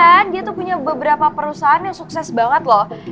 dan dia tuh punya beberapa perusahaan yang sukses banget loh